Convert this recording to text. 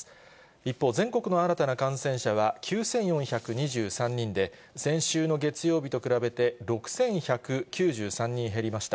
一方、全国の新たな感染者は９４２３人で、先週の月曜日と比べて６１９３人減りました。